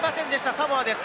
サモアです。